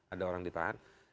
ada orang ditahan